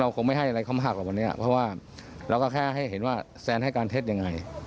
คงไม่ให้อะไรเขามากกว่าวันนี้เพราะว่าเราก็แค่ให้เห็นว่าแซนให้การเท็จยังไง